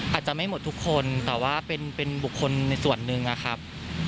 อาจจะไม่หมดทุกคนแต่ว่าเป็นบุคคลในส่วนหนึ่งนะครับ